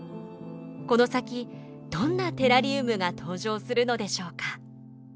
この先どんなテラリウムが登場するのでしょうか。